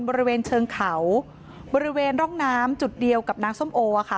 บริเวณเชิงเขาบริเวณร่องน้ำจุดเดียวกับนางส้มโอค่ะ